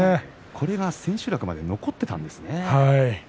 これが千秋楽まで残っていたんですね。